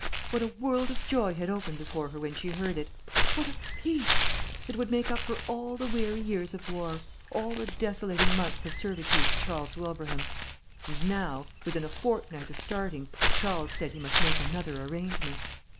What a world of joy had opened before her when she heard it! What a peace! It would make up for all the weary years of war, all the desolating months of servitude to Charles Wilbraham. And now, within a fortnight of starting, Charles said he must make another arrangement.